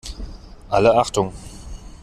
Alle Achtung!